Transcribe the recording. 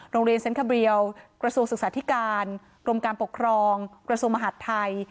โรงเรียนเซ็นคาเบียลกระทรวงศึกษาธิการกรมการปกครองกระทรวงมหาดไทย